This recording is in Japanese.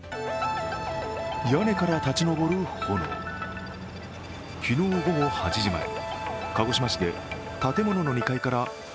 屋根から立ち上る炎。